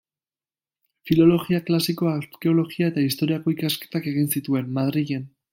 Filologia klasiko, arkeologia eta historiako ikasketak egin zituen, Madrilen.